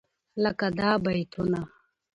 لکه دا بيتونه: